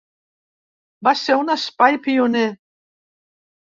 Va ser un espai pioner.